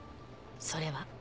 それは